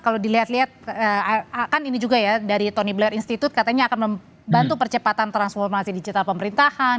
kalau dilihat lihat kan ini juga ya dari tony blair institute katanya akan membantu percepatan transformasi digital pemerintahan